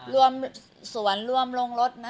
รวมสวนรวมลงรถนะ